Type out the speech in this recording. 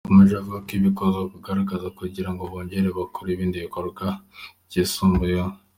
Yakomeje avuga ko bifuza kuzagaruka kugira ngo bongere bakore ibindi bikorwa byisumbuyeho.